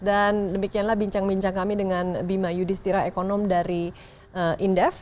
dan demikianlah bincang bincang kami dengan bima yudhistira ekonom dari indef